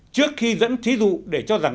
trước khi dẫn thí dụ để cho rằng